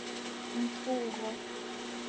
Mfugho